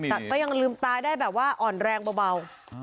แต่ก็ยังลืมตาได้แบบว่าอ่อนแรงเบา